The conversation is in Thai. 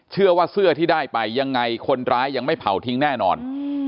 เชื่อว่าเสื้อที่ได้ไปยังไงคนร้ายยังไม่เผาทิ้งแน่นอน